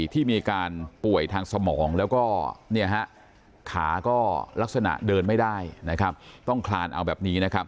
ที่มีการป่วยทางสมองและขาก็ลักษณะเดินไม่ได้ต้องคลานเอาแบบนี้